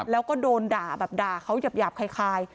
แล้วก็โดนด่าแบบด่าเขาหยาบคล้าย